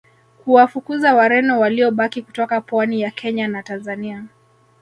kuwafukuza Wareno waliobaki kutoka pwani ya Kenya na Tanzania